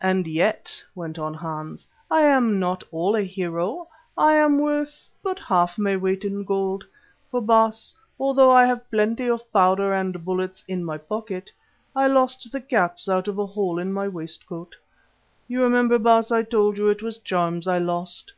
"And yet," went on Hans, "I am not all a hero; I am worth but half my weight in gold. For, Baas, although I have plenty of powder and bullets in my pocket, I lost the caps out of a hole in my waistcoat. You remember, Baas, I told you it was charms I lost.